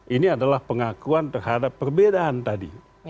ini adalah pengakuan terhadap perbedaan tadi